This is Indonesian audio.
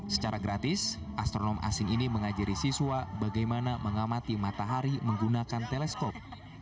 secara gratis astronom asing ini mengajari siswa bagaimana mengamati matahari menggunakan teleskop